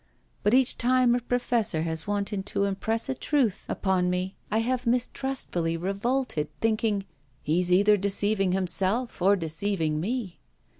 But each time a professor has wanted to impress a truth upon me, I have mistrustfully revolted, thinking: "He is either deceiving himself or deceiving me."